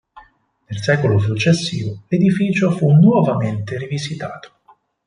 Nel secolo successivo l'edificio fu nuovamente rivisitato.